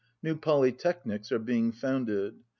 New polytechnics are being founded.